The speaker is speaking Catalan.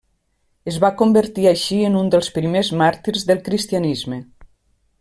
Es va convertir així en un dels primers màrtirs del cristianisme.